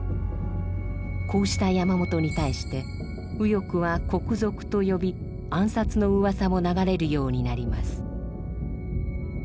こうした山本に対して右翼は「国賊」と呼び暗殺のうわさも流れるようになります。